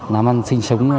làm ăn sinh sống